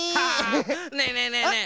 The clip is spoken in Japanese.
ねえねえねえねえ！